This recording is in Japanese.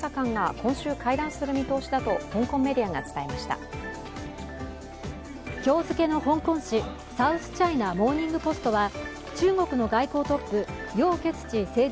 今日付の香港紙「サウス・チャイナ・モーニング・ポスト」は中国の外交トップ楊潔チ政治